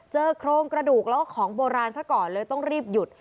โครงกระดูกแล้วก็ของโบราณซะก่อนเลยต้องรีบหยุด